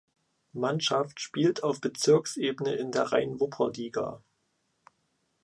Mannschaft spielt auf Bezirksebene in der Rhein-Wupper-Liga.